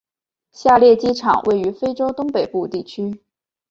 下列机场位于非洲东北部地区。